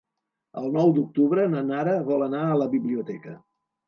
El nou d'octubre na Nara vol anar a la biblioteca.